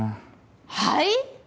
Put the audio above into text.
はい？